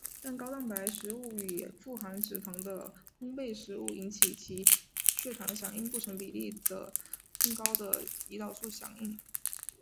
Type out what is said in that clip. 但高蛋白食物与富含脂肪的烘培食物引起与其血糖响应不成比例的的更高的胰岛素响应。